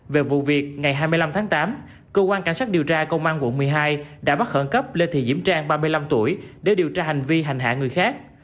về vụ việc ngày hai mươi năm tháng tám cơ quan cảnh sát điều tra công an quận một mươi hai đã bắt khẩn cấp lê thị diễm trang ba mươi năm tuổi để điều tra hành vi hành hạ người khác